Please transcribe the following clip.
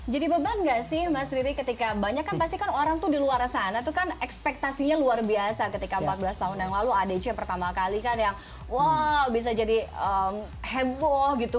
jadi beban nggak sih mas riri ketika banyak kan pasti kan orang tuh di luar sana tuh kan ekspektasinya luar biasa ketika empat belas tahun yang lalu adc pertama kali kan yang wow bisa jadi heboh gitu